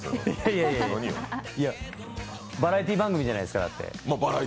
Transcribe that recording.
いや、バラエティー番組じゃないですか、だって。